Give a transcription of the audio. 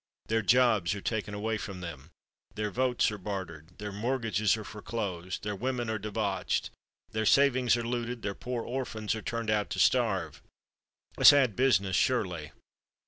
Their jobs are taken away from them, their votes are bartered, their mortgages are foreclosed, their women are debauched, their savings are looted, their poor orphans are turned out to starve. A sad business, surely.